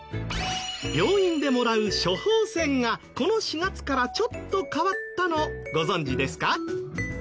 病院でもらう処方箋がこの４月からちょっと変わったのご存じですか？